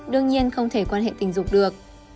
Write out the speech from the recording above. đương nhiên không thể quan hệ tình dục được